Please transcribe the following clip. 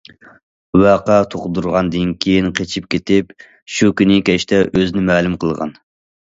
ۋەقە تۇغدۇرغاندىن كېيىن قېچىپ كېتىپ، شۇ كۈنى كەچتە ئۆزىنى مەلۇم قىلغان.